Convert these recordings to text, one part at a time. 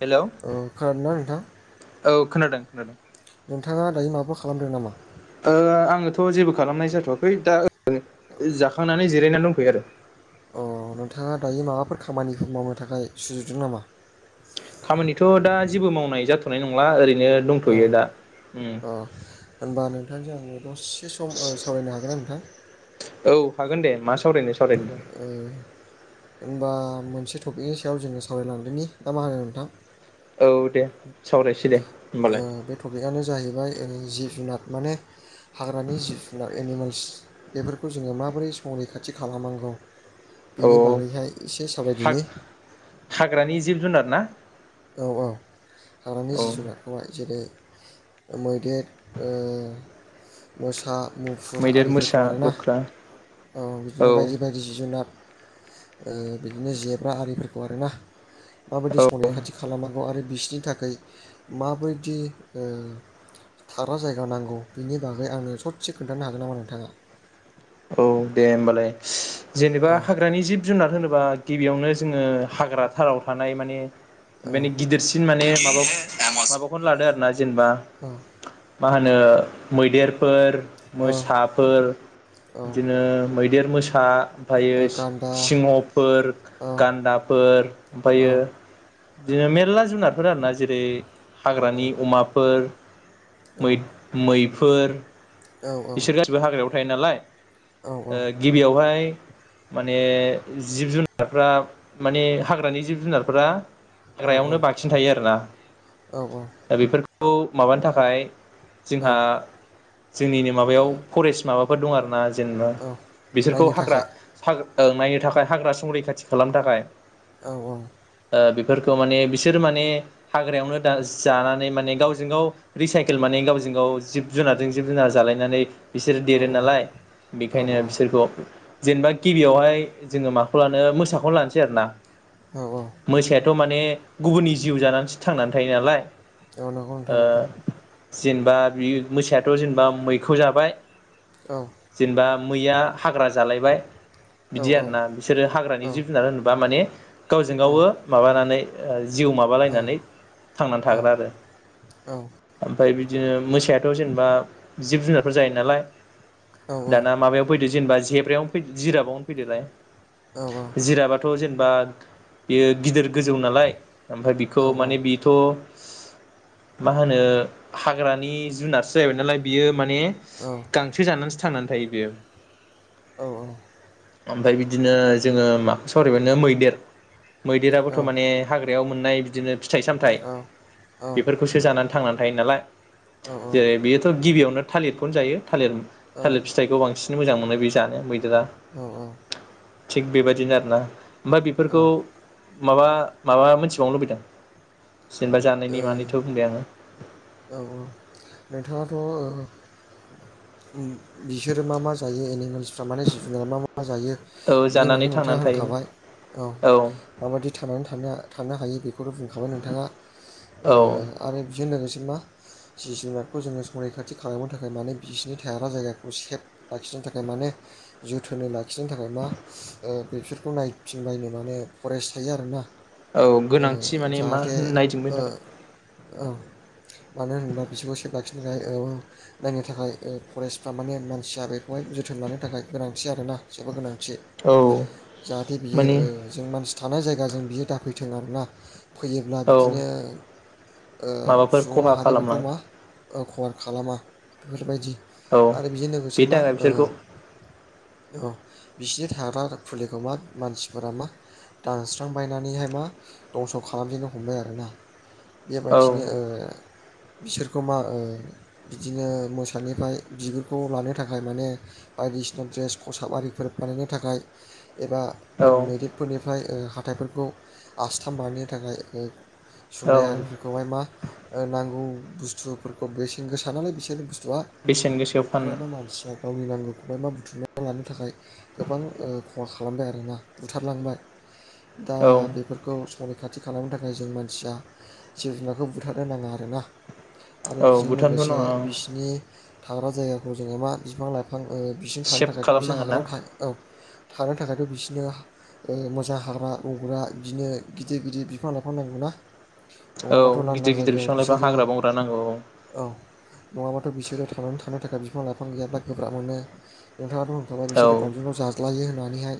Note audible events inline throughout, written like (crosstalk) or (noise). Hello खोनादों ना नोंथां औ खोनादों खोनादों नोंथाङा दायो माबाफोर खालामदों नामा आङोथ' जेबो खालामनाय जाथ'वाखै दा जाखांनानै जिरायनानै दंथ'यो आरो अ नोंथाङा दायो माबाफोर खामानिफोर मावनो थाखाय सुजुदों नामा खामानिथ' दा जेबो मावनाय जाथ'नाय नंला ओरै नो अ दंथ'यो दा थांजों आङो दसे सम सावरायनो हागोन ना नोंथां औ हागोन दे मा सावरायनो सावरायनो होमबा मोनसे टपिकनि सायाव जोङो सावरायलांदोंनि ना मा होनो नोंथां औ दे सावरायसै दे होमबालाय बे टपिकआनो जाहैबाय ओ जिब जुनार माने हाग्रानि जिब जुनार एनिमेल्स बेफोरखौ जोङो माबोरै संरैखाथि खालामनांगौ औ बिनि बागैहाय एसे सावरायदिनि हाग हाग्रानि जिब जुनार ना औ औ हाग्रानि औ जिब जुनारखौहाय जेरै मैदेर ओ मोसा मुफुर मैदेर आरिफोरखौ मोसा आरोना लख्रा औ बिदिनो बायदि बायदि जि जुनार ओ बिदिनो जेब्रा आरिफोरखौ आरोना माबायदि औ संनाय खा खालामांगौ आरो बिसनि थाखाय माबायदि ओ थाग्रा जायगा नांगौ बिनि बागै आंनो ससे खोन्थानो हागोन नामा नोंथाङा? औ दे होनमबालाय जेनेबा औ हाग्रानि जिब जुनार होनोबा गिबियावनो जोङो हाग्रा थाराव थानाय माने औ बेनि गिदिरसिन मान ए माबा माबाखौनो लादो आरोना जेनेबा मा होनो मैदेरफोर औ मोसाफोर औ बिदिनो मै देर मोसा ओमफ्रायो औ गान्दा सि-सिंह'फोर औ गान्दाफोर औ ओमफ्रायो बिदिनो मेरला जुनारफोर आरो ना जेरै औ हाग्रानि अमाफोर औ मै मै फोर औ इसोर गासैबो हाग्रायाव (unintelligible) नालाय ओ गिबियावहाय माने जिब जुनारफ्रा माने हाग्रानि जिब जुनारफ्रा हाग्रायावनो औ बांसिन थायो आरोना दा बेफोर खौ माबानो थाखाय औ जोंहा जोंनिनो माबायाव फरेस्ट माबाफोर दं आरो ना जेनेबा औ बिसोरखौ नायनो हाग्रा थाखाय हाग ओं नायनो थाखाय हाग्रा संरैखाथि खालामनो थाखाय। औ औ। दा बेफोरखौ माने बिसोर माने हाग्रायावनो दा जानानै माने गावजों गाव रिसाइकेल माने गावजों गाव जिब जुनारजों जिब जुनार जालायनानै बिसोर औ देरो नालाय औ बेखायनो बिसोरखौ जेनेबा गिबियावहाय जोङो माखौ लानो मोसाखौनो लानोसै आरो ना। औ औ मोसायाथ' माने गुबुननि जिउ जानानैसो थांनानै थायो नालाय। औ नंगौ नोंथां ओ नंगौ। जेनेबा बि मोसायाथ' जेनेबा मैखौ जाबाय जेनेबा मैया हाग्रा जालायबाय बिदि आरो ना बिसोरो हाग्रानि जिब जुनार होनोबा माने गावजों गावो माबानानै (unintelligible) जिउ माबालायनानै थांनानै थाग्रा आरो ओमफ्राय बिदिनो मोसायाथ' जेनेबा जिब जुनारफोर जायो नालाय। दाना माबायाव फैदो जेनेबा जेब्रायावनो फै जिराबावनो फैदोलाय जिराबाथ' जेने बा बेयो गिदिर गोजौ नालाय ओमफ्राय बिखौ माने बेथ' मा होनो हाग्रानि जुनारसो जाहैबाय नालाय। बियो मा ने गांसो जानानैसो थांनानै थायो बियो। औ औ। ओमफ्राय बिदिनो जोङो माखौ सावरायगोननो मैदेर मैदेराबोथ' माने हाग्रायाव मोन नाय बिदिनो फिथाइ सामथाइ बेफोरखौसो जानानै थांना थायो नालाय औ औ। जेरै बेयोथ' गिबियावनो थालिरखौनो जायो। थालिर थालिर फिथाइखौ बांसिन मोजां मोनो बे जानो मैदेरा औ औ थिग बेबायदिनो आरो ना ओमफ्राय औ बेफोरखौ माबा माबा मोनथिबावनो लुबैदों? जेनेबा जानायनि मानिथ' बुंबाय आङो। औ औ नोंथाङाथ' ओ बिसोरो मा मा जायो एनि फ्रा माने जिब जुनार मा मा जायो औ बिनि जानानै बागै नोंथाङा थांनानै थायोमोन होनखाबाय औ माबायदि थानानै थानो हायो बेखौनो बुंखाबाय नोंथाङा औ ओ आरो (unintelligible) मा जिब जुनारखौ जोङो संरैखाथि खालामनो थाखाय मानो बिसिरनि थाग्रा जायगाखौ सेब लाखिनो थाखाय मानो जोथोनै लाखिनो थाखाय मा बेसफोरखौ नायफिनबायनो मानोे फरेस्ट थायो आरोना। औ गोनांथि माने मा जाहाथे होन नायजों बेनि थाखाय। मानो होनोबा बिसोरखौ सेब लाखिनो थाखाय ओ नायनो थाखाय ओ फरेस्टफ्रा माने मानसिया बेखौहाय जोथोन लानो थाखाय गोनांथि आरोना जेबोर गोनां थि औ जाहाथे बियो माने ओ जो मान थानाय जायगाजों बियो दाफैथों आरोना। फैयोब्ला औ बिदिनो माबाफोर ओ बुं खहा माहारि फोरखौ खालामलाङो मा? औ खहा खालामा बेफोरबायदि औ आरो बेजों लोगोसे बेनि मा थाखाय ओ बिसोरखौ औ बिसिनि थाग्रा फुलिखौ मा मानसिफोरा मा दानस्रांबायनानैहाय मा दंस' खालामजेननो हमबाय आरोना। औ बेबायदिनो ओ बिसोरखौ मा ओ बिदिनो मोसानिफ्राय बिगुरखौ लानो थाखाय माने बायदिसिना द्रेस खसाब आरिफोर बानायनो थाखाय एबा औ मैदेरफोरनि फ्राय हाथाइफोरखौ आस्थाम बानायनो थाखाय ओ औ सुनदाय आरिफोरखौहाय मा नांगौ बुस्थुफोरखौ बेसेन गोसा नालाय बिसोर बेसेन थुआ गोसायाव (unintelligible) फाननो मानसिया गावनि नांगौखौहाय मा बुथुमना लानो थाखाय गोबां खहा खालामबाय आरो ना बुथारलांबाय दा औ बेफोरखौ रैखाथि खालामनो थाखाय जों मानसिया जिब जुनारखौ बुथार होनाङा आरोना आरो औ बेजों भुटानथ' नङा लोगोसे औ बिसिनि थाग्रा जायगाखौ जोङो मा बिफां लाइ फां बिसोर थानो सेभ थाखायथ' बिसोर खालामनांगोन ना हाग्रायाव था औ। थानो थाखायथ' बिसोरनो ओ मोजां हाग्रा गग्रा बिदिनो गिदिर गिदिर बिफां लाइफां नांगौना। औ नङाबाथ' लांदां गिदिर गिदिर जायगायाव लाइफां बिसोरो हाग्रा बंग्रा नांगौ औ नङाथ' बि सोरो थांनानै थानो थाखाय बिफां लाइफां गैयाब्ला गोब्राब मोनो नोंथाङा। नङाबा बिसोरो औ गावजों गाव जाज्लायो होनना बेैहाय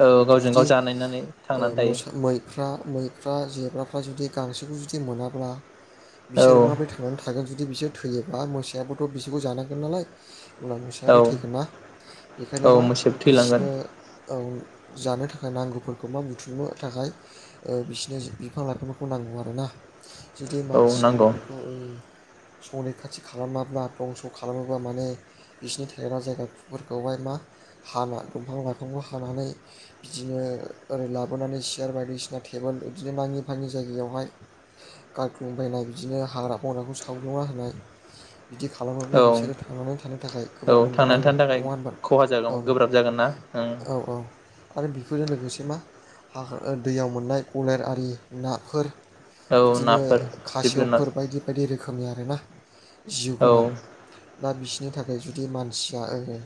औ गावजों बिदि गाव जानायनानै ओह थांनानै थायो मोसा मैफ्रा मैफ्रा जेब्राफ दा जुदि गांसोखौ जुदि मोनाब्ला बिसोर औ माबोरै थांनानै थागोन जुद जदि बिसोर थैयोबा मोसायाबोथ' बिसोरखौ जानांगोन नालाय अब्ला मोसायाबो औ थैगोन ना बेखायनो औ मा मोसौ थैलांगोन बिसोरनो औ जानो थाखाय नांगौफोरखौ मा बुथुमनो थाखाय ओह बिसोरनो बिफां लाइफांफोरखौ नांगौ आरोना जुदि औ मानसिया नांगौ बेफोरखौ ओ संरैखाथि खालामाब्ला दंस' खालामोबा माने बिसिनि थायग्रा जायगाुफोरखौहाय मा हाना दंफां लाइफांखौ हानानै बिदिनो ओरै लाबोनानै सियार बायदिसिना टेबोल बिदिनो नाङि फाङि जायगायावहाय गारख्लुंबायनाय बिदिनो हाग्रा बंग्राखौ सावग्लुंना होनाय बिदि खालामोब्ला औ बिसोरो थांनानै थानो थाखाय गोब्राब मोनगोन थांनानै आरो थानो थाखाय नङा होनबा खहा औ औ जागोन गोब्राब जागोन ना ओं औ औ आरो बेफोरजों लोगोसे मा हाहो दैयाव मोननाय गलेर आरि नाफोर औ बिदिनो नाफोर जिब जुनार खासेवफोर बायदि बायदि रोखोम खोमनि आरोना जिउ औ गोनां दा बिसोरनि थाखाय जुदि मानसिया ओरै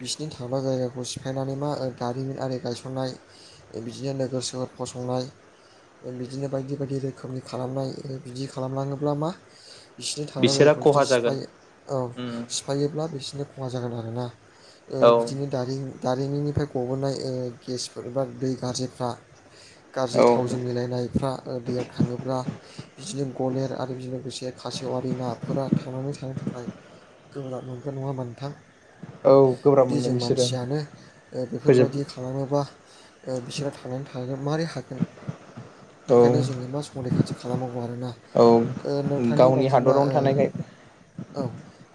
बिसिनि थाग्रा जायगाखौ सिफायनानै मा ओह दारिमिन आरि गायसननाय बिदिनो नोगोर सोहोर फसंनाय ओह बिदिनो बायदि बायदि रोखोमनि खालामनाय ओह बिदि खालामलाङोब्ला मा बिसोरनि थाग्रा बिसोरा जायगाखौ जुदि खहा जागोन सिफाय औ उम सिफायो ब्ला बिसोरनो खहा जागोन आरो ना ओह औ बिदिनो दारिम दारिमिननिफ्राय गबोनाय ओह गेसफोर एबा दै गाज्रिफ्रा गाज्रि औ थावजों मिलायनायफ्रा ओह दैयाव थाङोब्ला रा बिदिनो गलेर आरि बिजों लोगोसे खासेवआरि नाफोरा थांनानै थानो थाखाय गोबराब मोनगोन नङा होनबा नोंथां औ गोब्राब जुदि मोनगोन जों बिसोरो मानसियानो ओह फोजोब बेफोरबायदि खालामोबा ओह बिसोरो थांनानै थानायखो मोरै हागोन बेखायनो औ जोङो मा रैखाथि खालामनांगौ आरो ना औ गावनि हादरावनो ओ थानायखाय औ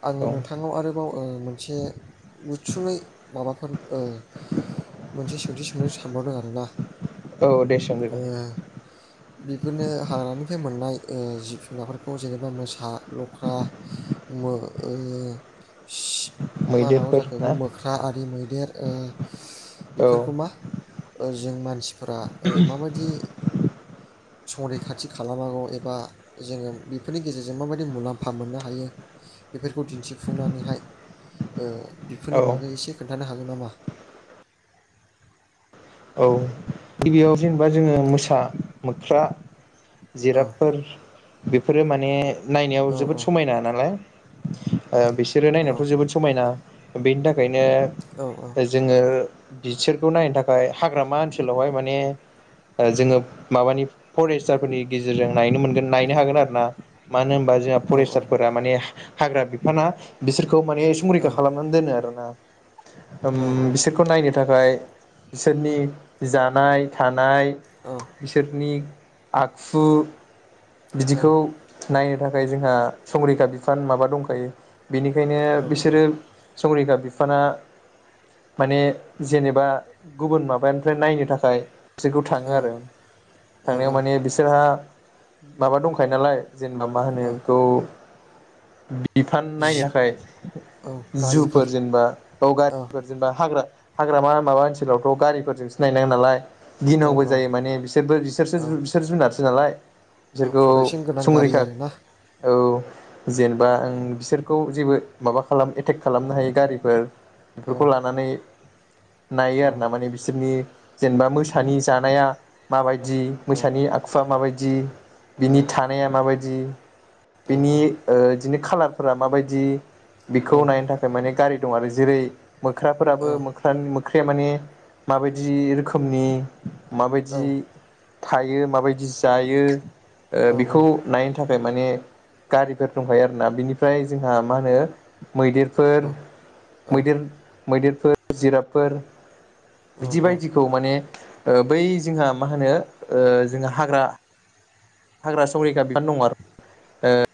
आङो औ नोंथांनाव आरोबाव ओह मोनसे गुसुङै माबाफोर ओह मोनसे सोंथि सोंनो सानबावदों आरोना औ दे सोंदो दे बि बेफोरनो हाग्रानिफ्राय मोननाय ओह जिब जुनारफोरखौ जेनेबा मोसा लख्रा मो ओह सि मा होननांगौ मैदेरफोर जाखो इखौ ना मोख्रा आरि मैदेर ओ औ बेफोरखौ मा जों मानसिफोरा ओ माबायदि संरैखाथि खालामांगौ एबा जोङो बेफोरनि गेजेरजों माबायदि मुलाम्फा मोननो हायो बेफोरखौ दिन्थिफुंनानैहाय ओ औ बेफोरनि बागै एसे खोन्थानो हागोन नामा? औ गिबियाव जेनेबा जोङो मोसा मोख्रा औ जिराबफोर बेफोरो माने नायनायाव औ जोबोद समायना नालाय बिसोरो औ नायनायावथ' जोबोद समायना बेनि थाखाय नो औ जोंङो बिसोरखौ नायनो थाखाय हाग्रामा ओनसोलावहाय माने जोङो माबानि फरेस्टारफोरनि गेजेरजों नायनो मोनगोन नायनो हागोन आरो ना मानो होनबा जोंहा फरेस्टारफोरा माने हाग्रा बिफाना बिसोर खौ माने औ संरैखा खालामनानै दोनो आरो ना। ओम बिसोरखौ नायनो थाखाय बिसोरनि जानाय थानाय बिसोरनि आखु बिदिखौ नायो थाखाय जोंहा संरिखा बिफान माबा दंखायो। बिनिखायनो बिसोरो संरिखा बि बिफाना माने जेनेबा गुबुन माबानिफ्राय नायनो थाखाय बिसोरखौ थाङो औ आरो औ थांनायाव माने बिसोरहा माबा दंखायो नालाय जेनेबा मा होनो औ बेखौ बिफान नायनो जिब थाखाय औ गारिफोर जुफोर जेनेबा ब औ गारिफोर जेनेबा हाग्रा हाग्रामा माबा ओनसोलावथ' गारिफोरजोंसो नायनांगोन नालाय औ गिनांगौ जायो माने बिसोरबो बिसोरसो औ बिसोर जुनारसो नालाय। औ बिसोरखौ प्रटेकसन गोनां गारि संरैखा आरोना औ। जेनेबा ओं बिसोरखौ जेबो माबा खालाम एटेक खालामनो हायो गारिफोर औ बेफोरखौ लानानै नायो औ आरो ना माने बिसोरनि जेनेबा मोसानि जानाया माबाय यदि औ मैसानि आखुआ माबायदि औ बिनि थानाया मा माबायदि औ औ बिनि बिदिनो खाालार फोर माबायदि बेखौ नायनो थाखाय माने गारि दं आरो जेरै मोख्राफोराबो मोख्रा मोख बे माने माबायदि रोखोमनि माबायदि थायो माबायदि जायो बिखौ नायनो थाखाय माने गारिफोर दंखायो आरोना बिनिफ्राय जोंहा मा होनो मैदेफोर औ औ मैदे- मैदेफोर जिराफोर औ बिदि बायदिखौ माने बै जोंहा मा होनो जोंहा हाग्रा हाग्रा संरिखा बिबफान दं आरो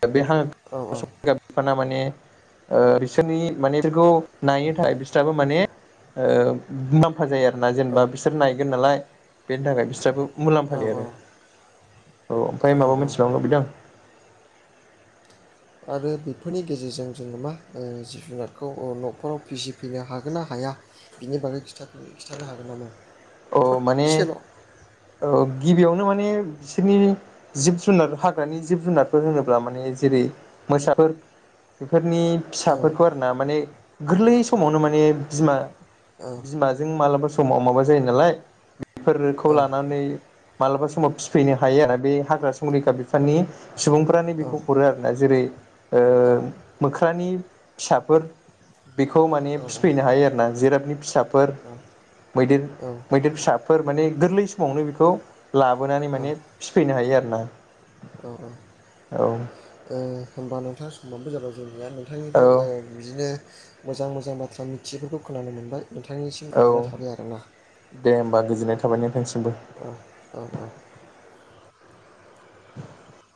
दा बे हाग्रा संरैखा बिफाना माने ओ बिसोरनि माने बिसोरखौ नायनो थाखाय बिस्राबो माने ओ नम मुफा जायो आरो ना जेनेबा बिसोर नायगोन नालाय बेनि थाखाय बिस्राबो मुलाम्फा लेरो औ औ ओमफ्राय माबा मिथिबावनो लुबैदों? आरो बेफोरनि गेजेरजों जोङो मा जिब जुनारखौ न'खराव फिसिफैनो हागोन ना हाया बिनि बागै खिन्थानो खिथानो हागोन नामा? औ माने ससेल' औ ओ गिबियाव नो माने बिसोरनि जिब जुनार हाग्रानि जिब जुनारफोर होनोब्ला माने जेरै मोसाफोर नि औ फिसाफोरखौ आरो ना माने गोरलै समावनो माने बिमा औ बिमाजों मालाबा समाव माबा जायो नालाय बेफोरखौ औ लानानै मालाबा समाव फिसिफैनो हायो आरो बे हाग्रा संरखा बिफाननि सुबुंफ्रानो बेखौ हरो आरोना जेरै ओ औ मोख्रानि फिसाफोर बेखौ माने फिफैनो हायो आरोना जिराबनि फिसाफोर मैदेर औ मैदेर फिसाफोर माने गोरलै समावनो बेखौ लाबोनानै औ माने फिफैनो हायो आरो ना औ ओ होनोमबा नोंथाङा समाव बेजाराव जों औ नोंथांनिफ्राय ओ बिदिनो मोजां मोजां बाथ्रा मिथियैफोरखौ खोनानो मोनबाय नोंथांनिसिम गोजोननाय थाबाय आरोना बा गोजोननाय थाबाय नोंथांसिमबो औ औ औ (inaudible)